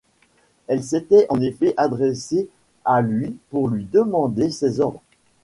Elle s'était en effet adressée à lui pour lui demander ses ordres.